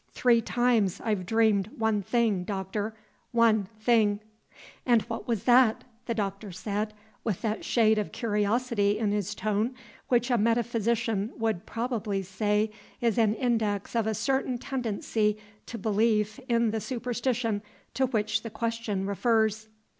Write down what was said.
Three times I've dreamed one thing, Doctor, one thing!" "And what was that?" the Doctor said, with that shade of curiosity in his tone which a metaphysician would probably say is an index of a certain tendency to belief in the superstition to which the question refers.